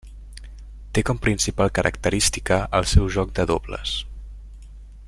Té com a principal característica el seu joc de dobles.